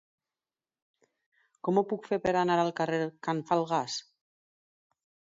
Com ho puc fer per anar al carrer de Can Falgàs?